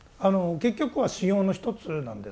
結局は修行の一つなんですね。